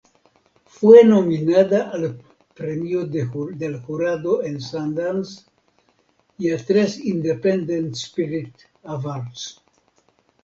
Fue nominada al premio del jurado en Sundance y a tres Independent Spirit Awards.